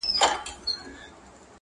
سره یو د ننګ په کار پټ او اشکار